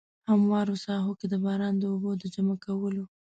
هموارو ساحو کې د باران د اوبو د جمع کولو.